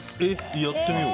やってみよう。